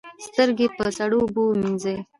سترګې په سړو اوبو وینځئ